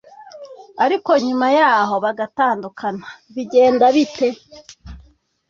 ariko nyuma yaho bagatandukana bigenda bite